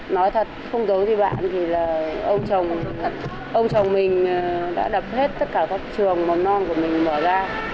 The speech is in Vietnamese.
nói thật không giống với bạn thì là ông chồng ông chồng mình đã đập hết tất cả các trường mầm non của mình mở ra